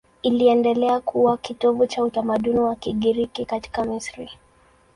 Iliendelea kuwa kitovu cha utamaduni wa Kigiriki katika Misri.